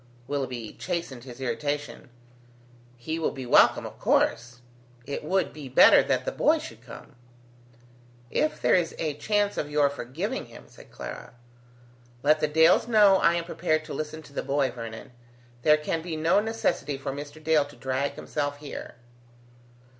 Willoughby chastened his irritation: "He will be welcome, of course. It would be better that the boy should come." "If there is a chance of your forgiving him," said Clara. "Let the Dales know I am prepared to listen to the boy, Vernon. There can be no necessity for Mr. Dale to drag himself here."